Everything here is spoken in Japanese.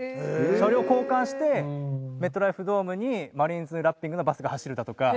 車両を交換してメットライフドームにマリーンズラッピングのバスが走るだとか。